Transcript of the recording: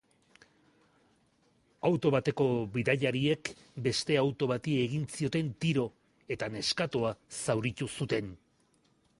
Auto bateko bidaiariek beste auto bati egin zioten tiro eta neskatoa zauritu zuten.